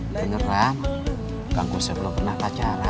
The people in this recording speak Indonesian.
beneran kang kusoy belum pernah pacaran